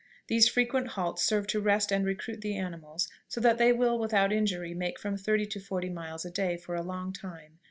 These frequent halts serve to rest and recruit the animals so that they will, without injury, make from thirty to forty miles a day for a long time.